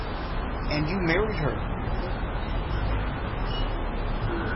And you married her.